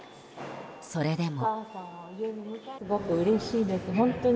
それでも。